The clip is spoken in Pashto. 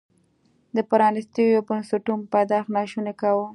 د پرانیستو بنسټونو پیدایښت ناشونی کاوه.